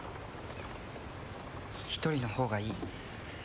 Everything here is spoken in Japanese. １人のほうがいい